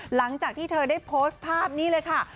หลังจากที่เธอได้โพสต์ภาพนี้เลยค่ะ